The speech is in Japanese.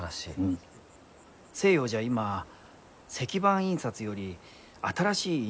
西洋じゃ今石版印刷より新しい印刷が。